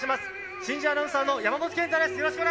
新人アナウンサーの山本賢太です。